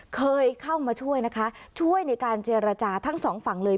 เคยเข้ามาช่วยนะคะช่วยในการเจรจาทั้งสองฝั่งเลย